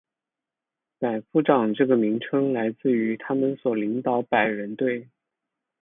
百夫长这个名称来自于他们所领导百人队。